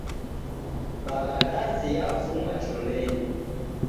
Bagha ndazi yafuma chondenyi.